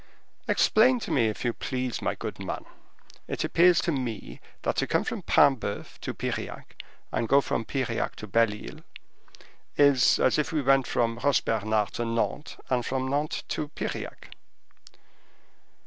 "Explain to me, if you please, my good man. It appears to me that to come from Paimboeuf to Piriac, and go from Piriac to Belle Isle, is as if we went from Roche Bernard to Nantes, and from Nantes to Piriac."